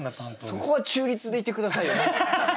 そこは中立でいて下さいよ。